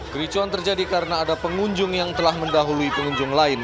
kericuan terjadi karena ada pengunjung yang telah mendahului pengunjung lain